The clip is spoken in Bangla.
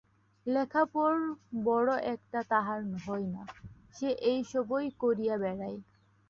লেখাপড় বড় একটা তাহার হয় না, সে এই সবই করিয়া বেড়ায়।